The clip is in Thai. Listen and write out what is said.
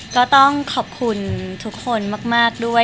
ก็ต้องขอบคุณทุกคนมากด้วย